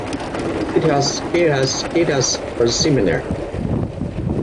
"Guitars Guitars Guitars" was similar.